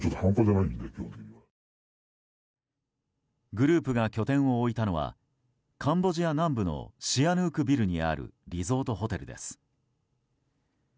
グループが拠点を置いたのはカンボジア南部のシアヌークビルにあるリゾートホテルです。